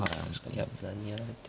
いや無難にやられて。